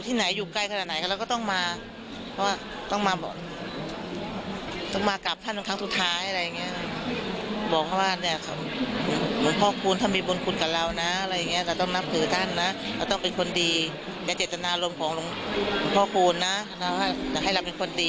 ท่านบอกว่าหลวงพ่อคุณจะงานได้ถ้าจะมีบทชีวิตของเราและเราต้องนับถือท่านนะเราต้องเป็นคนดีและเจ็ดดันโธรณ์ของหลวงพ่อคุณและให้เราเป็นคนดี